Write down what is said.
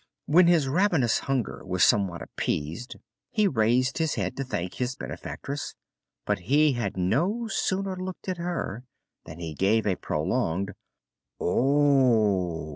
When his ravenous hunger was somewhat appeased he raised his head to thank his benefactress, but he had no sooner looked at her than he gave a prolonged "Oh h!"